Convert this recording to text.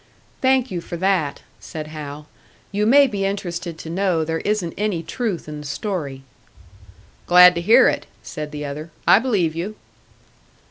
"Thank you for that," said Hal. "You may be interested to know there isn't any truth in the story." "Glad to hear it," said the other. "I believe you."